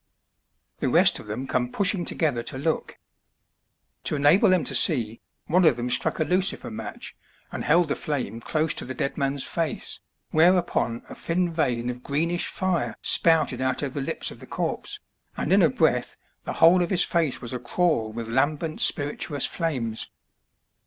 The rest of them come pushing together to look. To enable them to see, one of them struck a lucifer match, and held the flame close to the dead man's face, whereupon a thin vein of greenish fire spouted out of the lips of the corpse, and in a breath the whole of his face was acrawl with lambent spirituous flames.